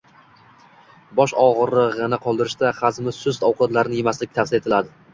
Bog‘ og‘rig‘ini qoldirishda hazmi sust ovqatlarni yemaslik tavsiya etiladi.